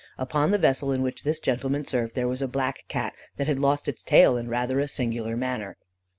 Upon the vessel in which this gentleman served there was a black Cat that had lost its tail in rather a singular manner.